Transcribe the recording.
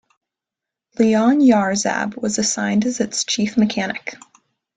Leon Yarzab was assigned as its chief mechanic.